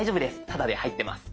タダで入ってます。